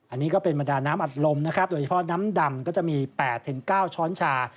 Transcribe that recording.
อันนี้ก็เป็นบรรดาน้ำอัดลมนะครับโดยเฉพาะน้ำดำก็จะมี๘๙ช้อนชา